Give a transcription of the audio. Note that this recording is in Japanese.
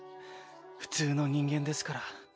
普通の人間ですから。